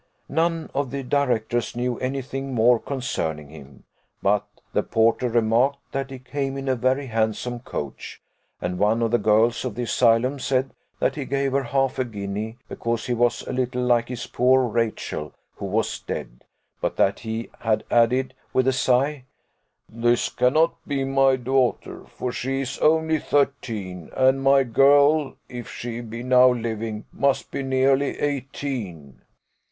None of the directors knew any thing more concerning him; but the porter remarked, that he came in a very handsome coach, and one of the girls of the Asylum said that he gave her half a guinea, because she was a little like his poor Rachel, who was dead; but that he had added, with a sigh, "This cannot be my daughter, for she is only thirteen, and my girl, if she be now living, must be nearly eighteen."